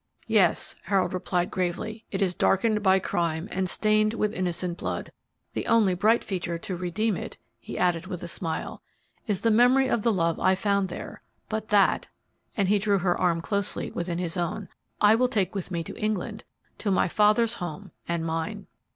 "Yes," Harold replied, gravely, "it is darkened by crime and stained with innocent blood. The only bright feature to redeem it," he added with a smile, "is the memory of the love I found there, but that," and he drew her arm closely within his own, "I take with me to England, to my father's home and mine."